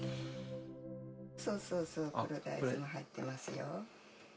そうそうそう黒大豆も入っていますよ。